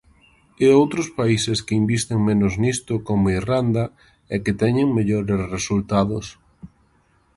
E outros países que invisten menos nisto, como Irlanda, e que teñen mellores resultados.